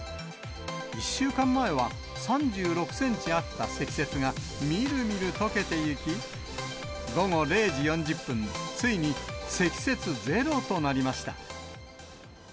１週間前は、３６センチあった積雪が、みるみるとけていき、午後０時４０分、ついに積雪ゼロとなりました。